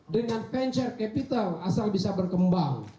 dengan venture capital asal bisa berkembang